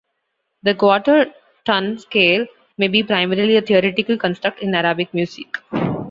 The quarter tone scale may be primarily a theoretical construct in Arabic music.